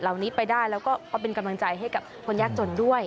เหล่านี้ไปได้แล้วก็เอาเป็นกำลังใจให้กับคนยากจนด้วย